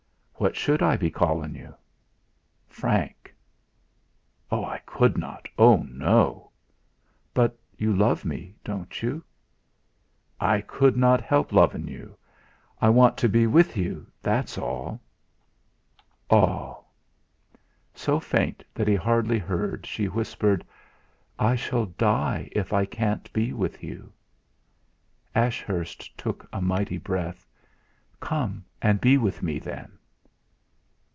"What should I be callin' you?" "Frank." "I could not. Oh, no!" "But you love me don't you?" "I could not help lovin' you. I want to be with you that's all." "All!" So faint that he hardly heard, she whispered: "I shall die if I can't be with you." Ashurst took a mighty breath. "Come and be with me, then!"